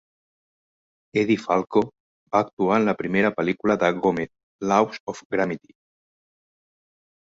Edie Falco va actuar en la primera pel·lícula de Gomez "Laws of Gravity".